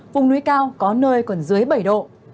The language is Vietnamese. vùng núi cao có nơi còn dưới bảy độ